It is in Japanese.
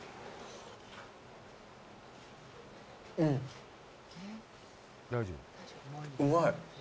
うん、うまい。